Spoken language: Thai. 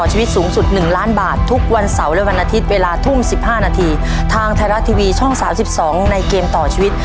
ชีวิตสูงสุดหนึ่งล้านบาททุกวันเสาร์และวันอาทิตย์เวลาทุ่มสิบห้านาทีทางไทยรัฐทีวีช่องสามสิบสองในเกมต่อชีวิต